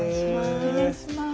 お願いします。